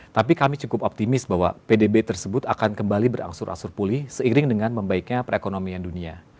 tapi kami cukup optimis bahwa pdb tersebut akan kembali berangsur asur pulih seiring dengan membaiknya perekonomian dunia